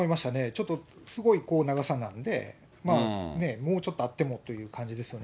ちょっとすごい長さなんで、もうちょっとあってもという感じですよね。